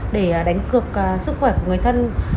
để đánh cược sức khỏe của người ta